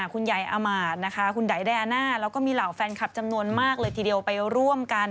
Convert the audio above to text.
คุณยายอามาตนะคะคุณไดอาน่าแล้วก็มีเหล่าแฟนคลับจำนวนมากเลยทีเดียวไปร่วมกัน